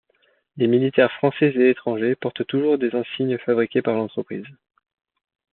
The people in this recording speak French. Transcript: Les militaires français et étrangers portent toujours des insignes fabriquées par l'entreprise.